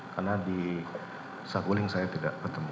karena di saguling saya tidak bertemu